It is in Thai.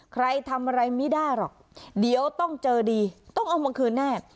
ใครทำอะไรไม่ได้หรอกเดี๋ยวต้องเจอดีต้องเอามาคืนแน่